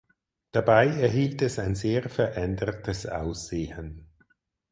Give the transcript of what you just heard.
Dabei erhielt es ein sehr verändertes Aussehen.